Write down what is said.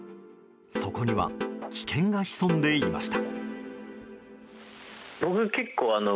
そこには危険が潜んでいました。